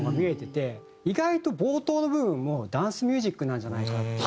意外と冒頭の部分もダンスミュージックなんじゃないか。